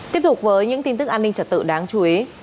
tiếp tục với những tin tức an ninh trật tự đáng chú ý